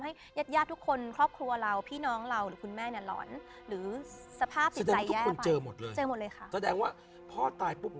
แสดงว่าพ่อตายปุ๊บ